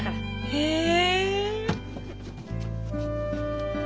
へえ。